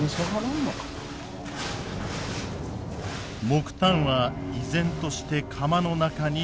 木炭は依然として釜の中に下がらない。